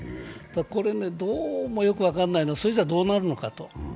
これ、どうもよく分からないんだけどそれじゃどうなるのかと。